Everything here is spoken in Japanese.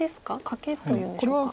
カケというんでしょうか。